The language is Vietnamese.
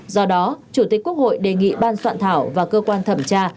do đó chủ tịch quốc hội đề nghị ban soạn thảo và cơ quan thẩm tra